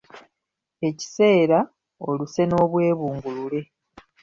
Ekiseera, oluse n’obwebungulule